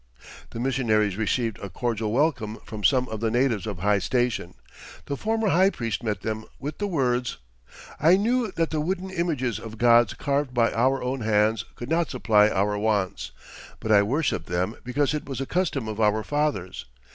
The missionaries received a cordial welcome from some of the natives of high station. The former high priest met them with the words, "I knew that the wooden images of gods carved by our own hands could not supply our wants, but I worshiped them because it was a custom of our fathers....